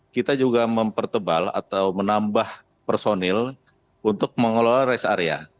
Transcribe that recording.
kita juga mempertebal atau menambah personil untuk mengelola rest area